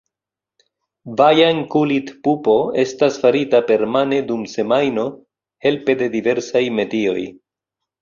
Vajang-Kulit-pupo estas farita permane dum semajno helpe de diversaj metioj.